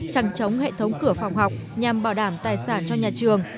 trăng trống hệ thống cửa phòng học nhằm bảo đảm tài sản cho nhà trường